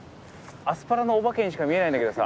アスパラのお化けにしか見えないんだけどさ